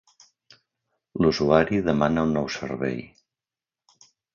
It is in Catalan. L'usuari demana un nou servei.